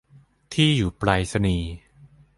ที่อยู่ไปรษณีย์